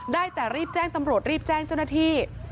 ได้แต่รีบแจ้งตำรวจรีบแจ้งเจ้าหน้าที่